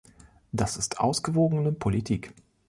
Das ist ausgewogene Politik.